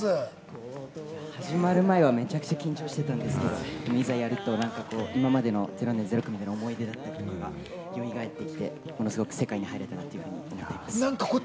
始まる前はめちゃくちゃ緊張してたんですけど、いざやると今までの『０年０組』での思い出だったりとか、よみがえってきて、ものすごく世界に入れたなって思います。